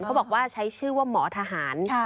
เขาบอกว่าใช้ชื่อว่าหมอทหาร